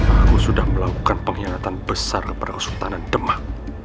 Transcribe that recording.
aku sudah melakukan pengkhianatan besar kepada kesultanan demak